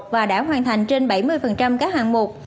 và đã hoàn thành trên bảy mươi các hạng mục